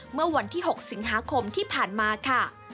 เมื่อวันที่๖สิงหาคมที่ผ่านมาค่ะ